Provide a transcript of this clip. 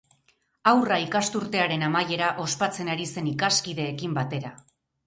Haurra ikasturtearen amaiera ospatzen ari zen ikaskideekin batera.